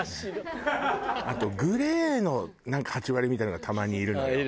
あとグレーのなんかハチワレみたいなのがたまにいるのよ。